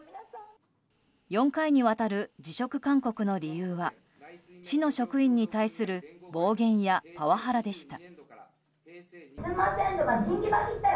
４回にわたる辞職勧告の理由は市の職員に対する暴言やパワハラでした。